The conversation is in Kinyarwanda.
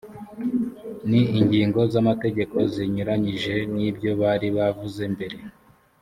ni ingingo z’amategeko zinyuranyije n’ibyo bari bavuze mbere